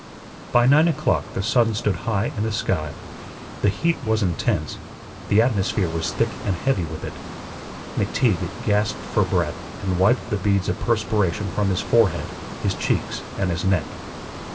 By nine o'clock the sun stood high in the sky. The heat was intense; the atmosphere was thick and heavy with it. McTeague gasped for breath and wiped the beads of perspiration from his forehead, his cheeks, and his neck.